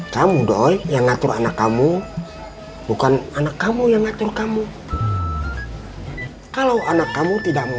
kamu doy yang ngatur anak kamu bukan anak kamu yang ngatur kamu kalau anak kamu tidak mau